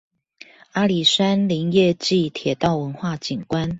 阿里山林業暨鐵道文化景觀